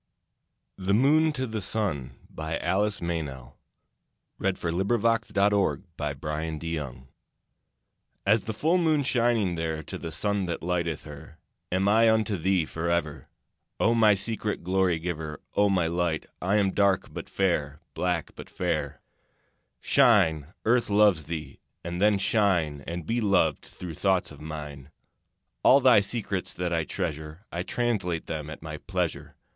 Have found a more mysterious lyre. THE POET SINGS TO HER POET THE MOON TO THE SUN As the full moon shining there To the sun that lighteth her Am I unto thee for ever, O my secret glory giver! O my light, I am dark but fair, Black but fair. Shine, Earth loves thee! And then shine And be loved through thoughts of mine. All thy secrets that I treasure I translate them at my pleasure.